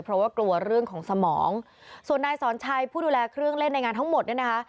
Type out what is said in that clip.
เพราะว่ากลัวเรื่องของสมองส่วนนายสอนชัยผู้ดูแลเครื่องเล่นในงานทั้งหมดเนี่ยนะคะ